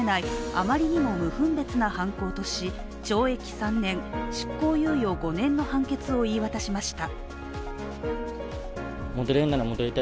あまりにも無分別な犯行とし懲役３年、執行猶予５年の判決を言い渡しました。